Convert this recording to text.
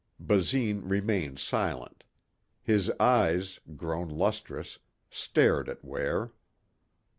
Basine remained silent. His eyes, grown lustrous, stared at Ware.